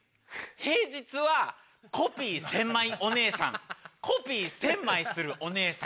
平日はコピー１０００枚お姉さんコピー１０００枚するお姉さん。